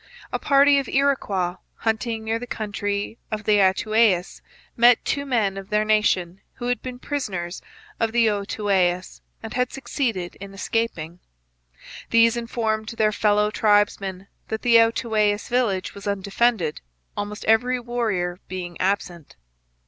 A party of Iroquois hunting near the country of the Outaouais met two men of their nation who had been prisoners of the Outaouais and had succeeded in escaping. These informed their fellow tribesmen that the Outaouais village was undefended, almost every warrior being absent.